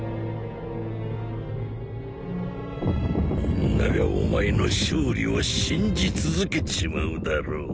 みんながお前の勝利を信じ続けちまうだろう？